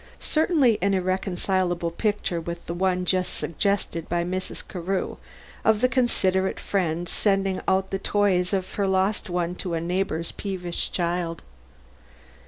Certainly an irreconcilable picture with the one just suggested by Mrs. Carew of the considerate friend sending out the toys of her lost one to a neighbor's peevish child.